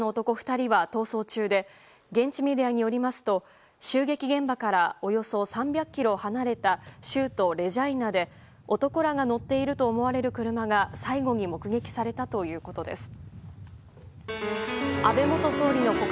２人は逃走中で現地メディアによりますと襲撃現場からおよそ３００ｋｍ離れた州都レジャイナで男らが乗っていると思われる車が最後に目撃されたということです。